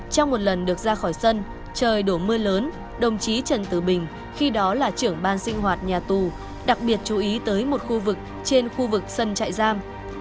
trong một lần được ra khỏi sân trời đổ mưa lớn đồng chí trần tử bình khi đó là trưởng ban sinh hoạt nhà tù đặc biệt chú ý tới một khu vực trên khu vực sân chạy giam